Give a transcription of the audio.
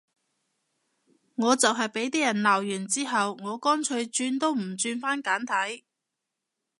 我就係畀啲人鬧完之後，我乾脆轉都唔轉返簡體